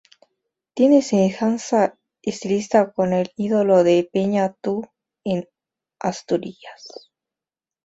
Tiene semejanza estilística con el Ídolo de Peña Tú, en Asturias.